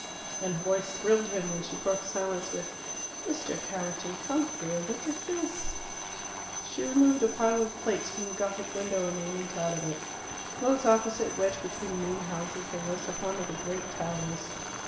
And her voice thrilled him when she broke silence with "Mr. Herriton come here look at this!" She removed a pile of plates from the Gothic window, and they leant out of it. Close opposite, wedged between mean houses, there rose up one of the great towers.